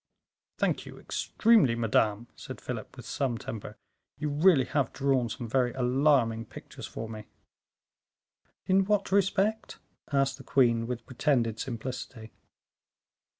"Thank you extremely, madame," said Philip, with some temper; "you really have drawn some very alarming pictures for me." "In what respect?" asked the queen, with pretended simplicity.